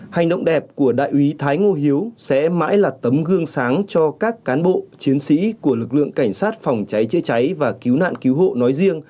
hành động đẹp của đại úy thái ngô hiếu sẽ mãi là tấm gương sáng cho các cán bộ chiến sĩ của lực lượng cảnh sát phòng cháy chữa cháy và cứu nạn cứu hộ nói riêng